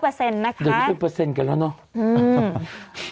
เดี๋ยวนี้เป็นเปอร์เซ็นต์กันแล้วเนาะ